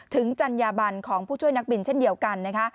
จัญญาบันของผู้ช่วยนักบินเช่นเดียวกันนะคะ